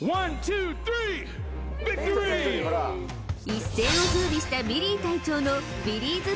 ［一世を風靡したビリー隊長のビリーズ